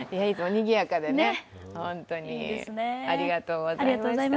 にぎやかでね、ありがとうございました。